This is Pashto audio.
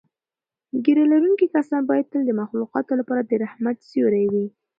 ږیره لرونکي کسان باید تل د مخلوقاتو لپاره د رحمت سیوری وي.